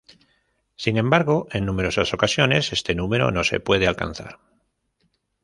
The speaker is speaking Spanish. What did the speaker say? Sin embargo, en numerosas ocasiones, este número no se puede alcanzar.